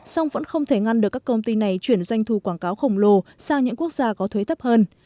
song vẫn không thể ngăn được các công ty này chuyển doanh thu quảng cáo khổng lồ sang những quốc gia có thuế thấp hơn